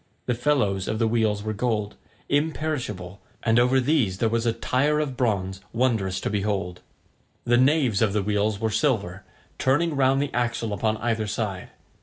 The felloes of the wheels were of gold, imperishable, and over these there was a tire of bronze, wondrous to behold. The naves of the wheels were silver, turning round the axle upon either side.